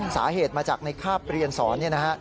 สาเหตุมาจากในคาบเรียนสอนเนี่ยนะฮะ